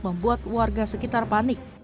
membuat warga sekitar panik